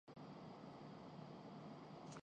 بے شک ہم ووٹ نہیں ڈال سکتے